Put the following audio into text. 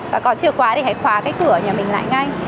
và có chìa khóa thì hãy khóa cái cửa nhà mình